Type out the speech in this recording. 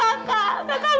aku tak tahu aja